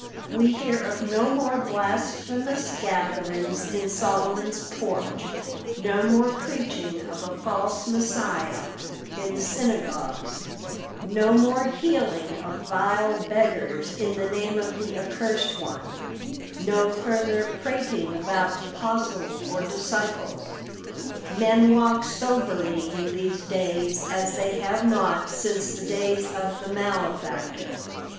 We hear of no more blasphemous gatherings in Solomon's Porch; no more preaching of a false Messiah in the synagogues; no more healing of vile beggars in the name of the accursed one; no further prating about apostles or disciples. Men walk soberly in these days as they have not since the days of the malefactor.